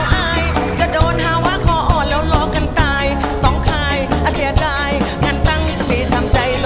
เอาล่ะครับมาลุ้นกันว่าเด็กแปดควบที่มากความสามารถและเสน่ห์ล้นเหลือคุณนี้จะได้คะแนนรวมเขารุ่นสองร้อยและผ่านเข้ารอบได้หรือไม่